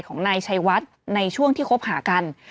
ของนายชัยวัดในช่วงที่คบหากัน